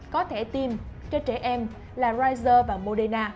có thể tiêm cho trẻ em là rezer và moderna